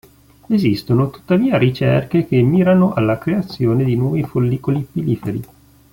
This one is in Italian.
Esistono tuttavia ricerche che mirano alla creazione di nuovi follicoli piliferi.